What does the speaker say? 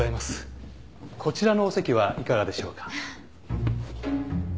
こちらのお席はいかがでしょうか。